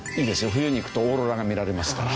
冬に行くとオーロラが見られますから。